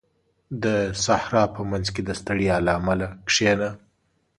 • د صحرا په منځ کې د ستړیا له امله کښېنه.